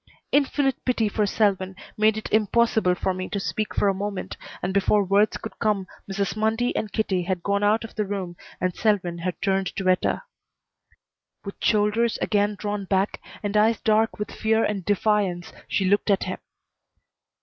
Infinite pity for Selwyn made it impossible for me to speak for a moment, and before words would come Mrs. Mundy and Kitty had gone out of the room and Selwyn had turned to Etta. With shoulders again drawn back, and eyes dark with fear and defiance, she looked at him.